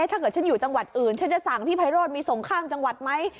ถ้าเกิดฉันอยู่จังหวัดอื่นฉันจะสั่งพี่ไพโรธมีส่งข้ามจังหวัดไหม